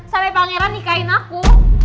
sampai pangeran nikahin aku